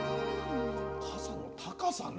傘の高さね。